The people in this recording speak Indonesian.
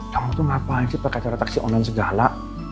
kamu tuh ngapain sih pakai cara taksi online segala